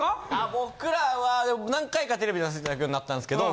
僕らは何回かテレビ出させて頂くようになったんですけど。